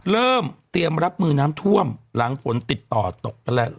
เริ่มเตรียมรับมือน้ำท่วมหลังฝนติดต่อตกไปแล้ว